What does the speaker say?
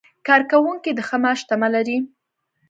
کارکوونکي د ښه معاش تمه لري.